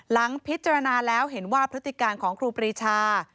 หลังพิจารณาแล้วเห็นว่าพฤติการของครูปรีชา